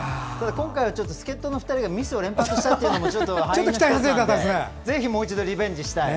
今回は、助っとの２人がミスを連発したというのも敗因の１つなのでぜひもう一度、リベンジしたい。